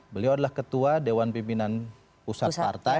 beliau adalah ketua dewan pimpinan pusat partai